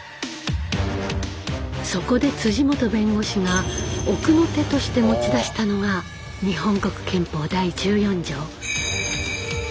そこで本弁護士が奥の手として持ち出したのが日本国憲法第１４条。